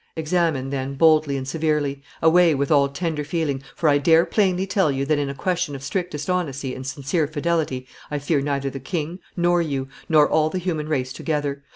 Examine, then, boldly and severely; away with all tender feeling, for I dare plainly tell you that in a question of strictest honesty and sincere fidelity I fear neither the king, nor you, nor all the human race together.